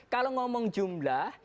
kalau ngomong jumlah